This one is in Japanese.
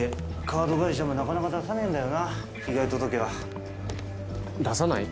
カード会社もなかなか出さねえんだよな被害届は出さない？